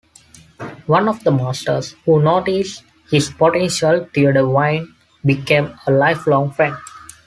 One of the masters who noticed his potential, Theodore Vine, became a lifelong friend.